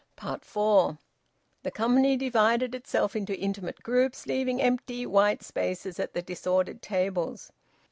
FOUR. The company divided itself into intimate groups, leaving empty white spaces at the disordered tables.